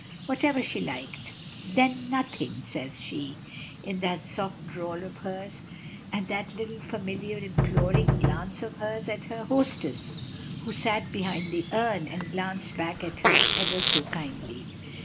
Whatever she liked. "Then nothing!" says she, in that soft drawl of hers, and that little familiar imploring, glance of hers at her hostess, who sat behind the urn, and glanced back at her ever so kindly.